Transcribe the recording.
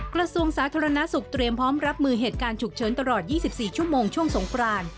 กระทรวงสาธารณสุขเตรียมพร้อมรับมือเหตุการณ์ฉุกเฉินตลอด๒๔ชั่วโมงช่วงสงคราน